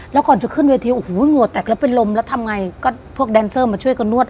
แล้วก่อนจะขึ้นเวทีโอ้โหงัวแตกแล้วเป็นลมแล้วทำไงก็พวกแดนเซอร์มาช่วยกันนวด